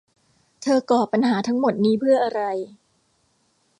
เธอก่อปัญหาทั้งหมดนี้เพื่ออะไร